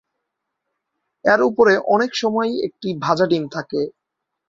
এর উপরে অনেক সময়ই একটি ভাজা ডিম থাকে।